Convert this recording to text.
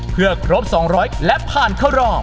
เพื่อครบ๒๐๐และผ่านเข้ารอบ